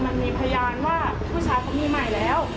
มันมีพยานว่าผู้ชายเขามีใหม่แล้ว